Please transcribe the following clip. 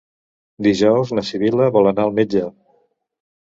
Dijous na Sibil·la vol anar al metge.